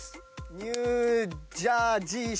ニュージャージー州。